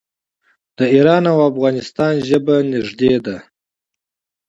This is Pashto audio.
د ایران او افغانستان ژبه نږدې ده.